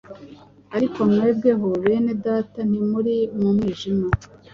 Ariko mwebweho, bene Data, ntimuri mu mwijima